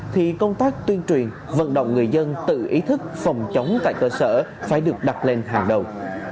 thì công tác tuyên truyền vận động người dân tự ý thức phòng chống tại cơ sở phải được đặt lên hàng đầu